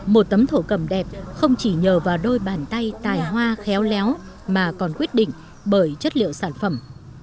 một tấm thổ cầm đẹp không chỉ nhờ vào đôi bàn tay tài hoa khéo léo mà còn quyết định bởi chất liệu sản phẩm